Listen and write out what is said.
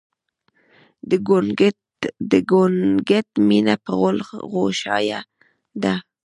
د ګونګټ مينه په غول غوشايه ده